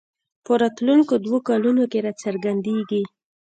په راتلونکو دوو کلونو کې راڅرګندېږي